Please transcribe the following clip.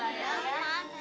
kok nggak ada terserah